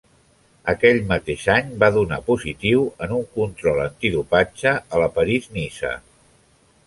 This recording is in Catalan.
Aquell mateix any va donar positiu en un control antidopatge a la París-Niça.